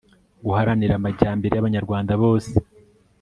guharanira amajyambere y'abanyarwanda bose